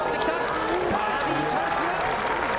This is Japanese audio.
バーディーチャンス！